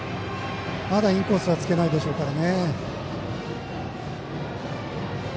まだインコースは突けないでしょうから。